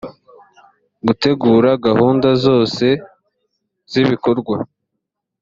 gutegura gahunda zose z’ibikorwa